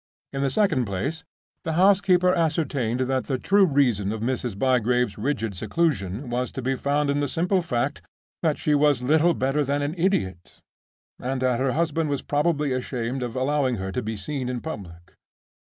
In the second place, the housekeeper ascertained that the true reason of Mrs. Bygrave's rigid seclusion was to be found in the simple fact that she was little better than an idiot, and that her husband was probably ashamed of allowing her to be seen in public.